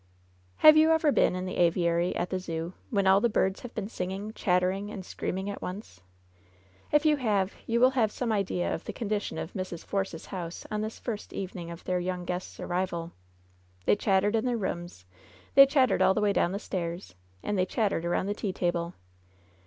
Have you ever been in the aviary at the Zoo, when all the birds have been singing, chattering and screaming at once? If you have, you will have some idea of the condition of Mrs. Force's house on this first ev^iing of their young guests' arrival. They chattered in their rooms, they chattered all the way down the stairs, and they chattered around the tea table.